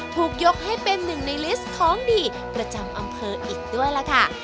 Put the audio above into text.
ถูกยกให้เป็นหนึ่งในลิสต์ของดีประจำอำเภออีกด้วยล่ะค่ะ